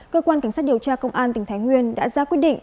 cơ quan cảnh sát điều tra công an tỉnh thái nguyên đã ra quyết định